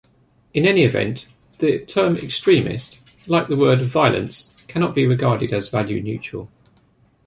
In any event, the term extremist-like the word violence-cannot be regarded as value-neutral.